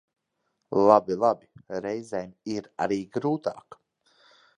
Labi, labi, reizēm ir arī grūtāk.